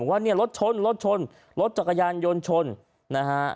ว่าเนี่ยรถชนรถชนรถจักรยานยนต์ชนนะฮะ